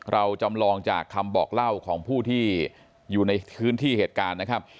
เราจำลองจากคำบอกเล่าของผู้ที่อยู่ในพื้นที่เหตุการณ์นะครับ